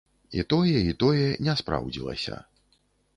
І тое, і тое не спраўдзілася.